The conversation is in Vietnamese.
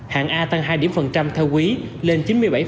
hạng a tăng hai điểm phần trăm theo quý lên chín mươi bảy